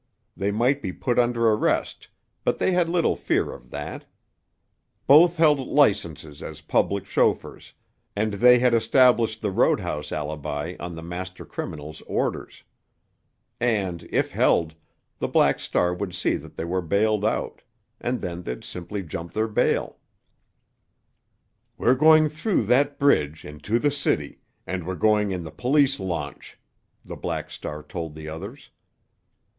They might be put under arrest, but they had little fear of that. Both held licenses as public chauffeurs, and they had established the road house alibi on the master criminal's orders. And, if held, the Black Star would see that they were bailed out—and then they'd simply jump their bail. "We're going through that bridge and to the city, and we're going in the police launch," the Black Star told the others.